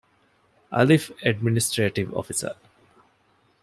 އ.އެޑްމިނިސްޓްރޭޓިވް އޮފިސަރ